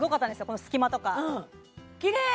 この隙間とかきれい！